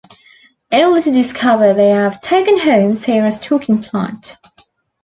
Only to discover they have taken home Sarah's talking plant.